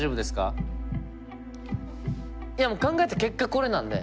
いやもう考えた結果これなんで。